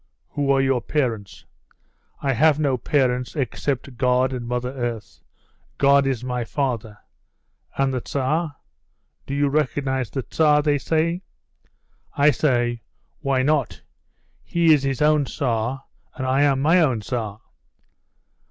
'Who are your parents?' 'I have no parents except God and Mother Earth. God is my father.' 'And the Tsar? Do you recognise the Tsar?' they say. I say, 'Why not? He is his own Tsar, and I am my own Tsar.